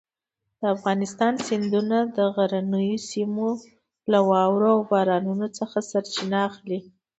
د افغانستان سیندونه د غرنیو سیمو له واورو او بارانونو څخه سرچینه اخلي.